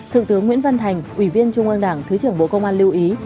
thượng tướng nguyễn văn thành ủy viên trung ương đảng thứ trưởng bộ công an lưu ý